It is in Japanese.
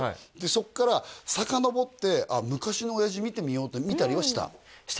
そっからさかのぼって昔の親父見てみようって見たりはした？